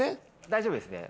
大丈夫ですね。